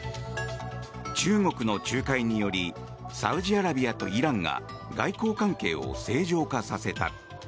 中国の仲介によりサウジアラビアとイランが外交関係を正常化させた。